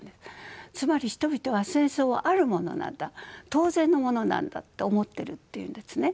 つまり人々は戦争はあるものなんだ当然のものなんだって思ってるっていうんですね。